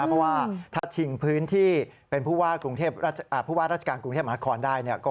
เพราะว่าถ้าชิงพื้นที่เป็นพูดว่าราชการกรุงเทพมหาคอนได้